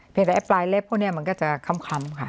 เพียงแต่ปลายเล็บพวกนี้มันก็จะคำค่ะ